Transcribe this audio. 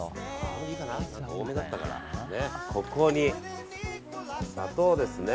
ここに砂糖ですね。